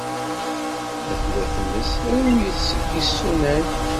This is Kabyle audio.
Ma tella tmes, rewlet seg yisunan.